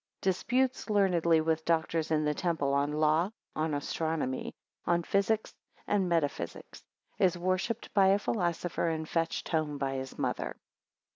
] 1 Disputes learnedly with the doctors in the temple, 7 on law, 9 on astronomy, 12 on physics and metaphysics. 21 Is worshipped by a philosopher, 28 and fetched home by his mother.